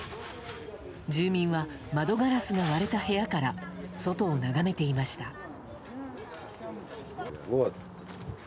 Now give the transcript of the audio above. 住民は窓ガラスが割れた部屋から外を眺めていました。